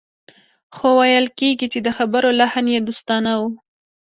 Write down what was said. خو ويل کېږي چې د خبرو لحن يې دوستانه و.